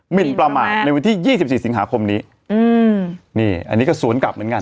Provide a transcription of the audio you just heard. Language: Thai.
หินประมาทในวันที่ยี่สิบสี่สิงหาคมนี้อืมนี่อันนี้ก็สวนกลับเหมือนกัน